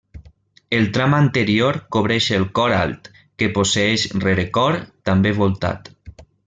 El tram anterior cobreix el cor alt, que posseeix rerecor també voltat.